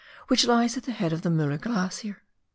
which lies at the head of the Mueller Glacier.